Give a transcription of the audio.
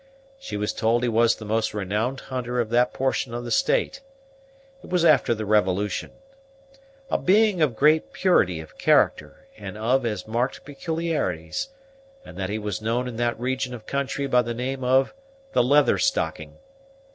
She was told he was the most renowned hunter of that portion of the State, it was after the Revolution, a being of great purity of character and of as marked peculiarities; and that he was known in that region of country by the name of the Leatherstocking.